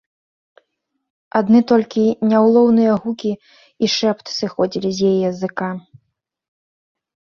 Адны толькі няўлоўныя гукі і шэпт сыходзілі з яе языка.